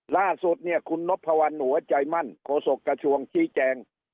ล่าสุดคุณนพหนัวใจมั่นโขศกกระทรวงชีแจง